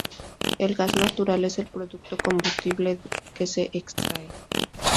El gas natural es el producto combustible que se extrae.